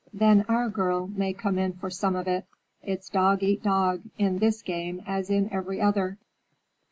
"Then our girl may come in for some of it. It's dog eat dog, in this game as in every other."